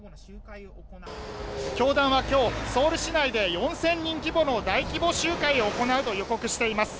教団は今日ソウル市内で４０００人規模の大規模集会を行うと予告しています。